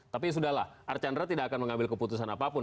tapi sudah lah archandra tidak akan mengambil keputusan apapun